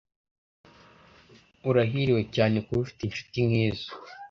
Urahiriwe cyane kuba ufite inshuti nkizo.